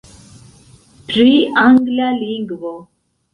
Pri angla lingvo.